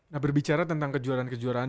nah berbicara tentang kejuaraan kejuaraan